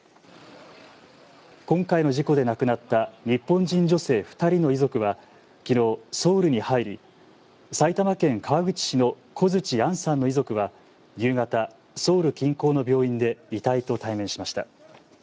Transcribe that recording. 今回の事故で亡くなった日本人女性２人の遺族はきのうソウルに入り、埼玉県川口市の小槌杏さんの遺族は夕方、ソウル近郊の病院で遺体と対面しました。